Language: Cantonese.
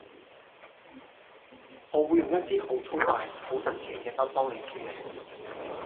我會用一支好粗大好神奇嘅筆幫你簽名